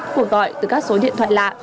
cuộc gọi từ các số điện thoại lạ